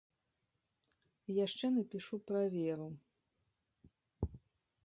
Яшчэ напішу пра веру.